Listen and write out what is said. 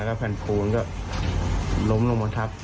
แล้วแผ่นปูนก็ล้มลงทั้งมนตรรพ